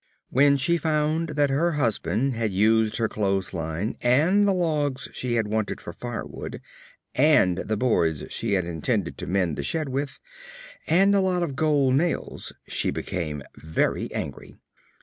When she found that her husband had used her clothesline, and the logs she had wanted for firewood, and the boards she had intended to mend the shed with, and a lot of gold nails, she became very angry.